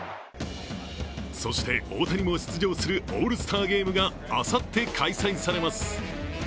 そして大谷も出場するオールスターゲームがあさって開催されます。